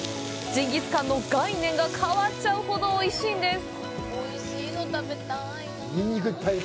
ジンギスカンの概念が変わっちゃうほどおいしいんです。